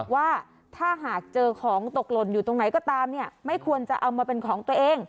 ว่าถ้าหากเจอของตกหล่นอยู่ตรงไหนก็ตามเนี่ยไม่ควรจะเอามาเป็นของตัวเอง